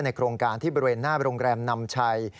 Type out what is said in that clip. โครงการที่บริเวณหน้าโรงแรมนำชัย